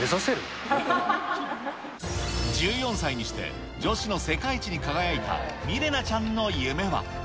１４歳にして、女子の世界一に輝いたみれなちゃんの夢は？